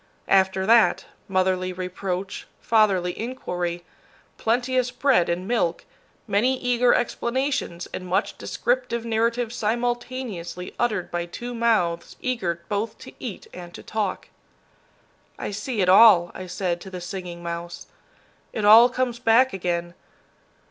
After that, motherly reproach, fatherly inquiry, plenteous bread and milk, many eager explanations and much descriptive narrative simultaneously uttered by two mouths eager both to eat and to talk. "I see it all," I said to the Singing Mouse. "It all comes back again.